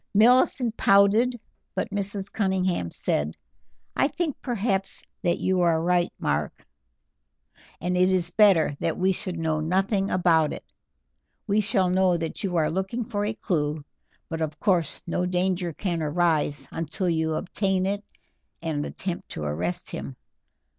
Millicent pouted, but Mrs. Cunningham said: "I think, perhaps, that you are right, Mark, and it is better that we should know nothing about it; we shall know that you are looking for a clew, but of course no danger can arise until you obtain it and attempt to arrest him.